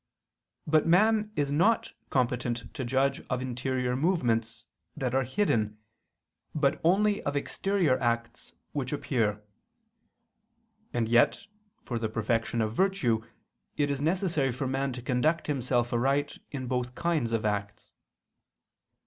But man is not competent to judge of interior movements, that are hidden, but only of exterior acts which appear: and yet for the perfection of virtue it is necessary for man to conduct himself aright in both kinds of acts.